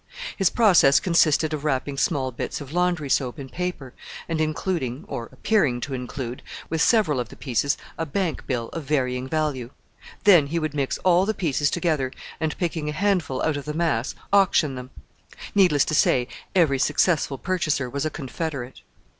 His process consisted of wrapping small bits of laundry soap in paper, and including or appearing to include with several of the pieces a bank bill of varying value. Then he would mix all the pieces together, and picking a handful out of the mass, auction them. Needless to say every successful purchaser was a confederate!